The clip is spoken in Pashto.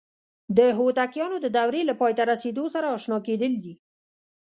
د هوتکیانو د دورې له پای ته رسیدو سره آشنا کېدل دي.